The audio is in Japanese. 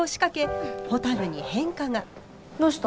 どうした？